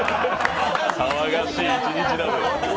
騒がしい一日に。